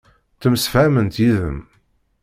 Ttemsefhament yid-m.